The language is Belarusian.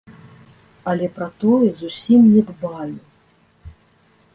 Але пра тое зусім не дбаю.